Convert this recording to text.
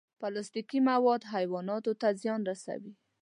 پلاستيکي مواد حیواناتو ته زیان رسوي.